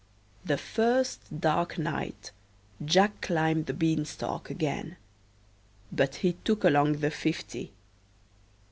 The first dark night Jack climbed the beanstalk again, but he took along the fifty.